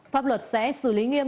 pháp luật sẽ xử lý nghiêm